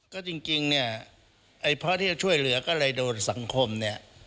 ก็จริงเนี่ยไอ้เพราะที่จะช่วยเหลือก็เลยโดนสังคมเนี่ย